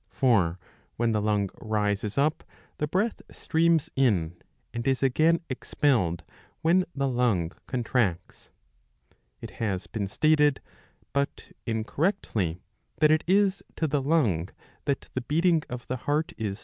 For when the lung rises up the breath streams in, and is again expelled when the lung contracts.^ It has been stated, but incorrectly, that it is to the lung that the beating of the heart is due.